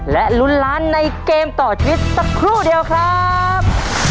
และลุ้นล้านในเกมต่อชีวิตสักครู่เดียวครับ